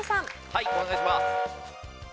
はいお願いします。